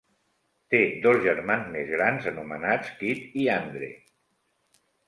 Té dos germans més grans anomenats Kit i Andre.